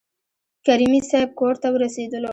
کریمي صیب کورته ورسېدلو.